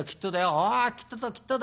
「おおきっとだきっとだ。